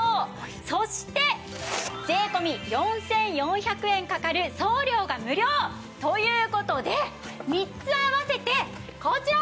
そして税込４４００円かかる送料が無料という事で３つ合わせてこちら！